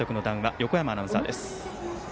横山アナウンサーです。